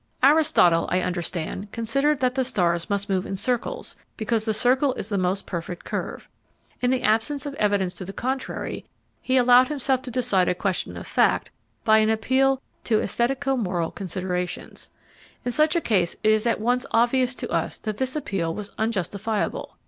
Aristotle, I understand, considered that the stars must move in circles because the circle is the most perfect curve. In the absence of evidence to the contrary, he allowed himself to decide a question of fact by an appeal to æsthetico moral considerations. In such a case it is at once obvious to us that this appeal was unjustifiable.